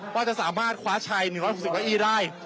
ว่าจะสามารถคว้าชัย๑๖๐เก้าอี้ได้